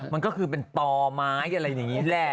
มันก็คือเป็นต่อไม้อะไรอย่างนี้แหละ